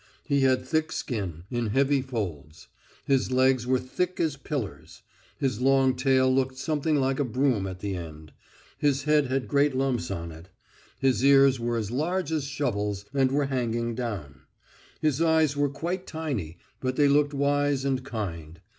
He had thick skin, in heavy folds. His legs were thick as pillars. His long tail looked something like a broom at the end. His head had great lumps on it. His ears were as large as shovels, and were hanging down. His eyes were quite tiny, but they looked wise and kind.